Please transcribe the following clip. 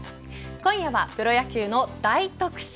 今夜はプロ野球の大特集。